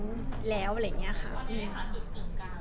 มีค่าจุดจุดกลางหรืออย่างเรื่องจบจุดกลางมันได้รู้ใจยังไงดี